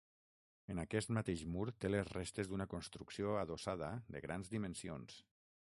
En aquest mateix mur té les restes d'una construcció adossada de grans dimensions.